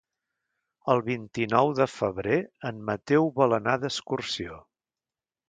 El vint-i-nou de febrer en Mateu vol anar d'excursió.